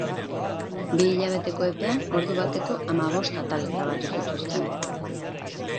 Bi hilabeteko epean ordu bateko hamabost atal grabatu zituzten.